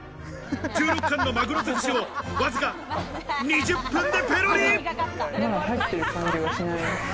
１６貫のマグロをわずか２０分でペロリ。